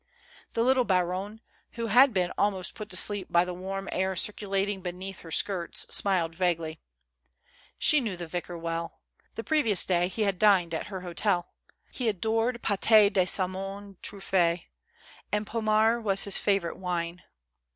The little baronne, who had been almost put to sleep by the warm air circulating beneath her skirts, smiled vaguely. She knew the vicar well. The previous day, he had dined at her hotel. He adored pate de saumon truffe and Pomard was his favorite wine.